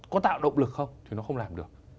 có tạo động lực không thì nó không làm được